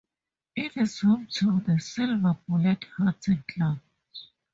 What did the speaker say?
It is home to the Silver Bullet Hunting club.